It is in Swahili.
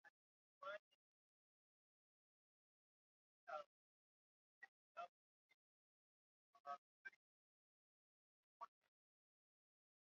kuna kama vile korogocho mitaa kama hizo za vibanda